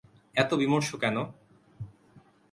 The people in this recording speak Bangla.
এতো বিমর্ষ কেনো?